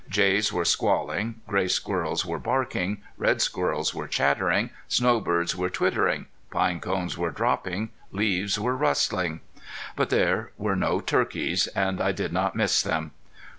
Jays were squalling, gray squirrels were barking, red squirrels were chattering, snowbirds were twittering, pine cones were dropping, leaves were rustling. But there were no turkeys, and I did not miss them.